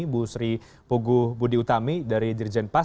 ibu sri puguh budi utami dari dirjen pas